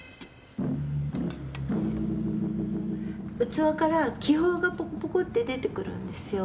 器から気泡がポコポコって出てくるんですよ。